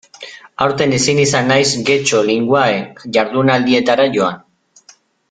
Aurten ezin izan naiz Getxo Linguae jardunaldietara joan.